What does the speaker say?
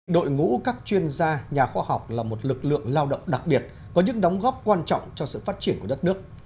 đội ngũ các chuyên gia nhà khoa học là một lực lượng lao động đặc biệt có những đóng góp quan trọng cho sự phát triển của đất nước